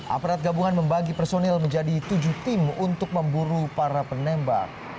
aparat gabungan membagi personil menjadi tujuh tim untuk memburu para penembak